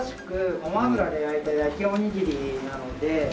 ごま油で焼いた焼きおにぎりなので。